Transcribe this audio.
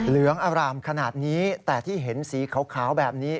เหลืองอร่ามขนาดนี้แต่ที่เห็นสีขาวแบบนี้